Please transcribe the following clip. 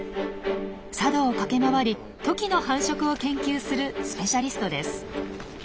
佐渡を駆け回りトキの繁殖を研究するスペシャリストです。